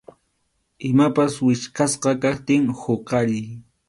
Imapas wichqʼasqa kaptin huqariy.